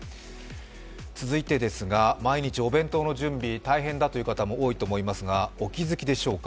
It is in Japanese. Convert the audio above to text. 続いてですが、続いて、毎日お弁当の準備大変だという方も多いと思いますが、お気づきでしょうか？